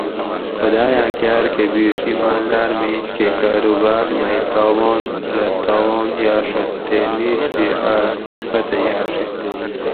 خُداۤیاۤں کاۤر کہ بِیڛ اِیں ماۤلداۤر مِیش کہ کاۤروباۤر مئ تاۤواۤن رہ تاوان یاۤڛت تے نیستی آۤس پتہ یاۤڛیت